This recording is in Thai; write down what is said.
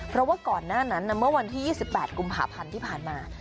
เพราะว่าก่อนหน้านั้นเมื่อวันที่๒๘กุมภาพันธ์ที่ผ่านมา